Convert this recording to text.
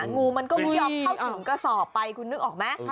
งูมันก็ไม่ยอมเข้าถึงกระสอบไปคุณนึกออกไหม